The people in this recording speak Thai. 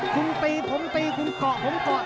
คุณตีผมตีคุณเกาะผมเกาะ